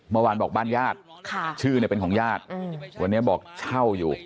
เมื่อวานบอกบ้านญาติชื่อเนี่ยเป็นของญาติวันนี้บอกเช่าอยู่